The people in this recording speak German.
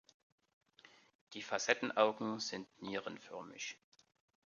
Die Facettenaugen sind nierenförmig.